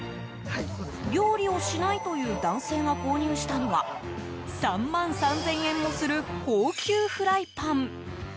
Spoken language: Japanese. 料理をしないという男性が購入したのは３万３０００円もする高級フライパン。